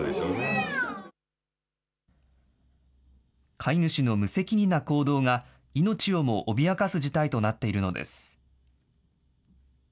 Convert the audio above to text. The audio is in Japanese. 飼い主の無責任な行動が、命をも脅かす事態となっているのです。